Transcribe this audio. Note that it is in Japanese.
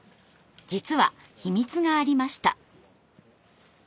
実は秘密がありました。